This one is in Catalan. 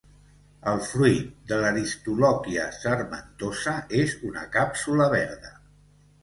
El fruit de l'aristolòquia sarmentosa és una càpsula verda.